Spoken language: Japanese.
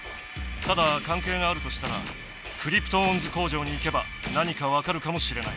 ただかんけいがあるとしたらクリプトオンズ工場に行けば何かわかるかもしれない。